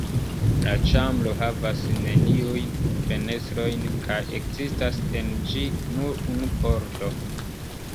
La ĉambro havas neniujn fenestrojn; kaj ekzistas en ĝi nur unu pordo.